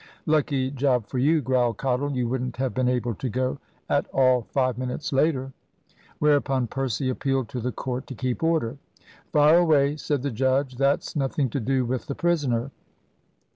"Lucky job for you," growled Cottle. "You wouldn't have been able to go at all five minutes later." Whereupon Percy appealed to the court to keep order. "Fire away," said the judge, "that's nothing to do with the prisoner."